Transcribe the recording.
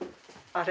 あれ。